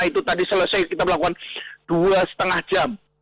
itu tadi selesai kita melakukan dua lima jam